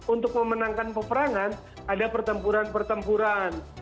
untuk memenangkan peperangan ada pertempuran pertempuran